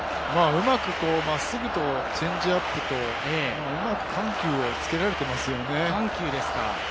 うまくまっすぐとチェンジアップと緩急をつけられていますよね。